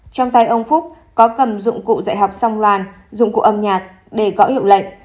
trong tay ông phúc có cầm dụng cụ dạy học song loan dụng cụ âm nhạc để gõ hiệu lệnh